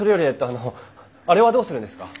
あのあれはどうするんですか？